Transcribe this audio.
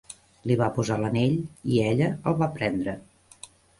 Li va posar l'anell, i ella el va prendre.